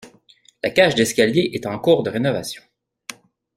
La cage d'escalier est en cours de rénovation.